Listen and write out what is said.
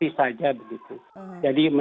ya negara harus menghitung benar benar dengan cermat